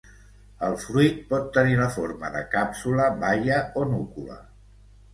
El fruit pot tenir la forma de càpsula baia o núcula.